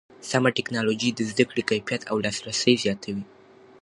سمه ټکنالوژي د زده کړې کیفیت او لاسرسی زیاتوي.